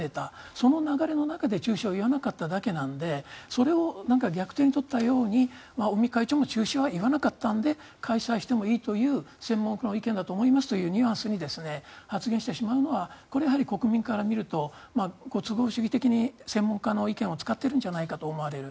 その流れの中で中止を言わなかっただけなのでそれを逆手に取ったように尾身会長も中止は言わなかったので開催してもいいという専門家の意見だと思いますというニュアンスに発言してしまうのはこれはやはり国民から見るとご都合主義的に専門家の意見を使っているんじゃないかと思われる。